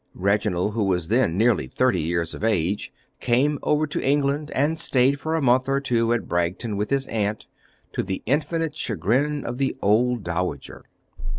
Reginald, who was then nearly thirty years of age, came over to England, and stayed for a month or two at Bragton with his aunt, to the infinite chagrin of the old dowager.